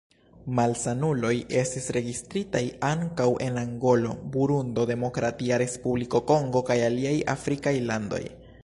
Malsanuloj estis registritaj ankaŭ en Angolo, Burundo, Demokratia Respubliko Kongo kaj aliaj afrikaj landoj.